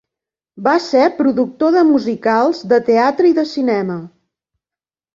Va ser productor de musicals de teatre i de cinema.